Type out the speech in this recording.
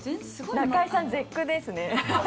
中居さん絶句ですね。